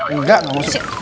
enggak gak masuk